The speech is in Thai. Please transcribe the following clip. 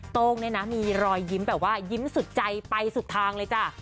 โต้งเนี่ยนะมีรอยยิ้มแบบว่ายิ้มสุดใจไปสุดทางเลยจ้ะ